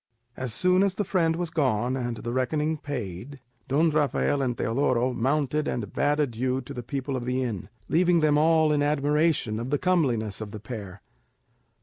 As soon as the friend was gone, and the reckoning paid, Don Rafael and Teodoro mounted and bade adieu to the people of the inn, leaving them all in admiration of the comeliness of the pair.